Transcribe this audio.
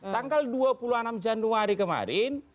tanggal dua puluh enam januari kemarin